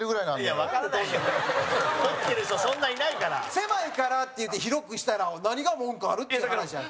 「狭いから」って言って広くしたら何が文句ある？っていう話やねん。